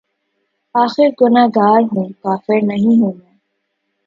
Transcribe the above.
آخر گناہگار ہوں‘ کافر نہیں ہوں میں